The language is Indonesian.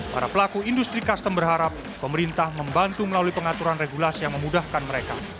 para pelaku industri custom berharap pemerintah membantu melalui pengaturan regulasi yang memudahkan mereka